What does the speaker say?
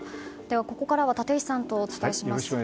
ここからは立石さんとお伝えします。